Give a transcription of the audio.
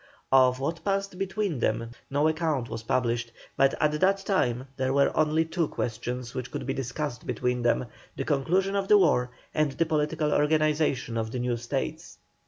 Of what passed between them no account was published, but at that time there were only two questions which could be discussed between them: the conclusion of the war, and the political organization of the new States.